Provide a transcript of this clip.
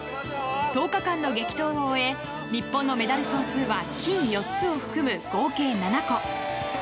１０日間の激闘を終え日本のメダル総数は金４つを含む合計７個。